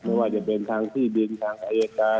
อย่าว่าจะเป็นทางที่ดื่มทางอัยการ